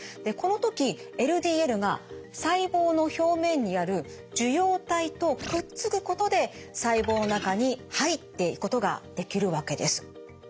この時ＬＤＬが細胞の表面にある受容体とくっつくことで細胞の中に入っていくことができるわけです。